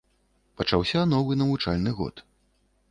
Пачаўся новы навучальны год.